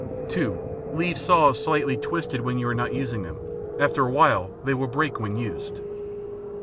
(2) Leave saws slightly twisted when you are not using them. After a while, they will break when used.